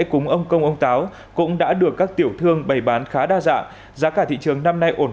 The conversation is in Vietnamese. cúng ông công ông táo cũng đã được các tiểu thương bày bán khá đa dạng giá cả thị trường năm nay ổn